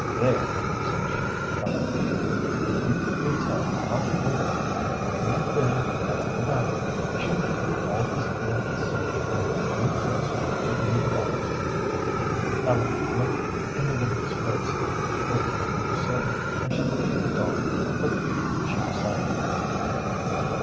"There!" said she, triumphantly, "if you will tell Aunty Wetherhed where you've been, and all about it, she'll give you all this beautiful silk to make a new dress for your new dolly." Ellen looked in the woman's face, she looked at the blue silk, and she looked at the doll, but she was silent.